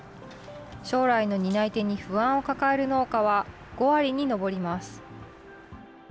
将来の担い手に不安を抱える農家は５割に上ります。